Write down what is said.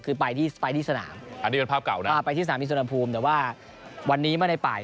คือไปที่สนามอันนี้เป็นภาพเก่านะไปที่สนามพิษณภูมิแต่ว่าวันนี้มาในป่าย